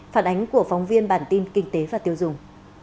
phản ánh của phóng viên bản tin kinh tế và tiêu dùng